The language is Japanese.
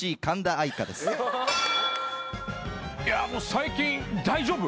最近大丈夫？